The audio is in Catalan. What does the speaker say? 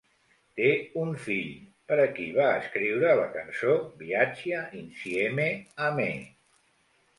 Té un fill, per a qui va escriure la cançó "Viaggia Insieme A Me".